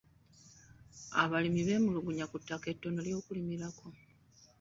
Abalimi beemulugunya ku ttaka ettono ery'okulimirako.